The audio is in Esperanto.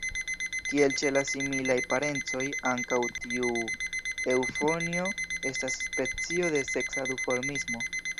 Kiel ĉe la similaj parencoj, ankaŭ tiu eŭfonjo estas specio de seksa duformismo.